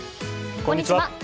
こんにちは。